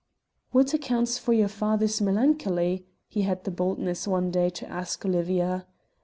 "What accounts for your father's melancholy?" he had the boldness one day to ask Olivia.